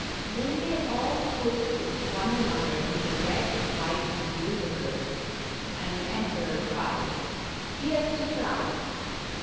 Then they all toasted one another in the red, white and blue liquors, and the Emperor cried :" Here's to France